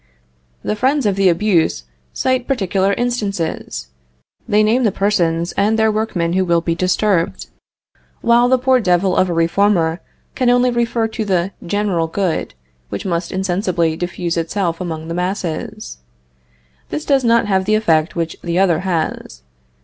The friends of the abuse cite particular instances; they name the persons and their workmen who will be disturbed, while the poor devil of a reformer can only refer to the general good, which must insensibly diffuse itself among the masses. This does not have the effect which the other has.